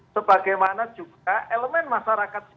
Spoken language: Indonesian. sebagaimana juga elemen masyarakatnya